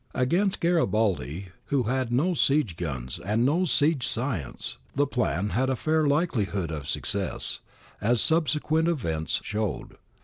Against Garibaldi, who had no siege guns and no siege science, the plan had a fair likelihood of success, as subsequent events showed.